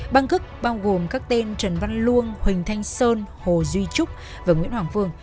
băng thức bao gồm các tên trần văn luông huỳnh thanh sơn hồ duy trúc và nguyễn hoàng phương